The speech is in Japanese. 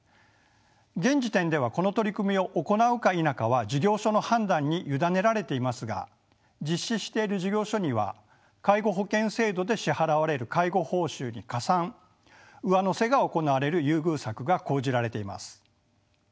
現時点ではこの取り組みを行うか否かは事業所の判断に委ねられていますが実施している事業所には介護保険制度で支払われる介護報酬に加算・上乗せが行われる優遇策が講じられています。